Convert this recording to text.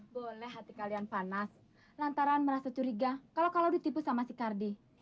boleh hati kalian panas lantaran merasa curiga kalau kalau ditipu sama si kardi